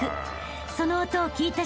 ［その音を聞いた瞬間